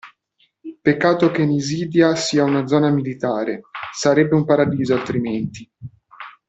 Peccato che Nisida sia una zona militare, sarebbe un paradiso altrimenti.